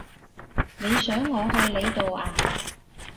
你想我去你度呀？